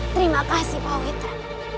terima kasih pak witra